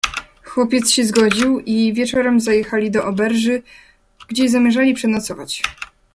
"Chłopiec się zgodził i wieczorem zajechali do oberży, gdzie zamierzyli przenocować."